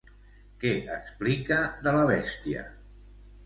Què explica de la bèstia?